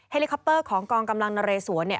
เฮลิคอปเปอร์ของกองกำลังนะเรศัวร์